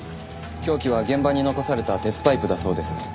凶器は現場に残された鉄パイプだそうです。